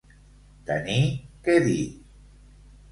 Tenir què dir.